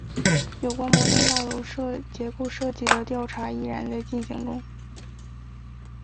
有关摩天大楼结构设计的调查依然在进行中。